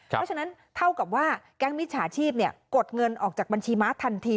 เพราะฉะนั้นเท่ากับว่าแก๊งมิจฉาชีพกดเงินออกจากบัญชีม้าทันที